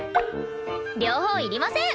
両方いりません。